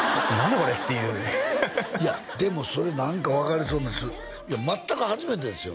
これっていういやでもそれ何か分かりそうないや全く初めてですよ